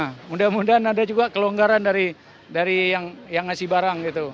nah mudah mudahan ada juga kelonggaran dari yang ngasih barang gitu